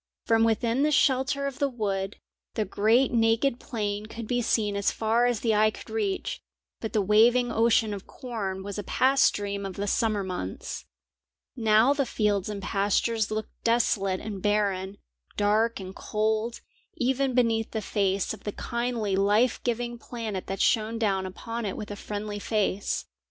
From within the shelter of the wood, the great naked plain could be seen as far as the eye could reach, but the waving ocean of corn was a past dream of the summer months. Now the fields and pastures looked desolate and barren, dark and cold, even beneath the face of the kindly life giving planet that shone down upon it with a friendly face.